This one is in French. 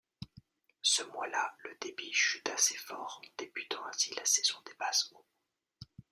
Ce mois-là le débit chute assez fort, débutant ainsi la saison des basses eaux.